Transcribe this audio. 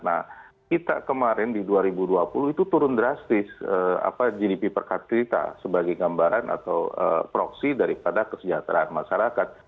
nah kita kemarin di dua ribu dua puluh itu turun drastis gdp per kapita sebagai gambaran atau proksi daripada kesejahteraan masyarakat